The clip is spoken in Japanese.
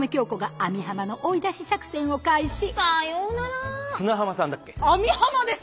網浜です！